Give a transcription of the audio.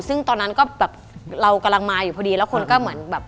ซึ่งตอนนั้นก็แบบเรากำลังมาอยู่พอดีแล้วคนก็เหมือนแบบ